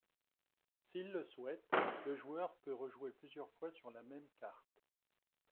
S’il le souhaite, le joueur peut rejouer plusieurs fois sur la même carte.